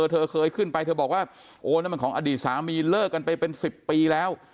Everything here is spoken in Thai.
เธอเคยขึ้นไปเธอบอกว่าโอ้นั่นมันของอดีตสามีเลิกกันไปเป็น๑๐ปีแล้ว